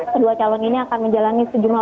kedua calon ini akan menjalani sejumlah